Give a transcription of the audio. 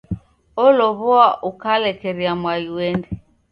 Olow'oa ukalekerea mwai uende.